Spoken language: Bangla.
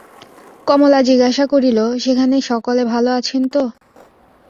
কমলা জিজ্ঞাসা করিল, সেখানে সকলে ভালো আছেন তো?